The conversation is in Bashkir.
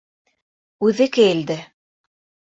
Үҙе кейелде.